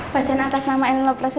pasien atas nama elin lopraset ya